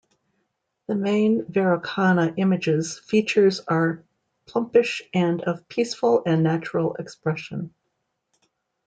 The main Vairocana image's features are plumpish and of peaceful and natural expression.